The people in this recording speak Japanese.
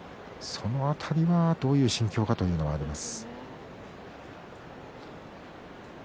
その辺りは、どういう心境かというのがあります。